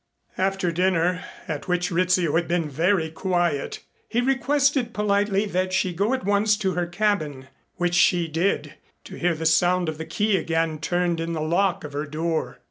After dinner, at which Rizzio had been very quiet, he requested politely that she go at once to her cabin, which she did to hear the sound of the key again turned in the lock of her door.